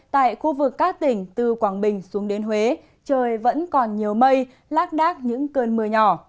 tại khu vực các tỉnh từ quảng bình xuống đến huế trời vẫn còn nhiều mây lác đác những cơn mưa nhỏ